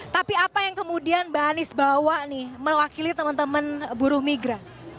tapi apa yang kemudian mbak anies bawa nih mewakili teman teman buruh migran